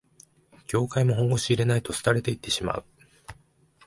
業界も本腰入れないと廃れていってしまう